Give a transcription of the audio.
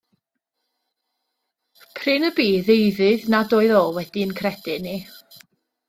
Prin y bu ddeuddydd nad oedd o wedi'n credu ni.